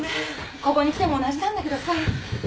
ここに来ても同じなんだけどさ。